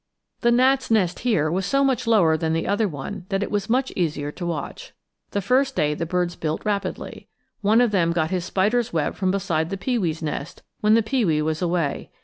The gnat's nest here was so much lower than the other one that it was much easier to watch. The first day the birds built rapidly. One of them got his spider's web from beside the pewee's nest, when the pewee was away.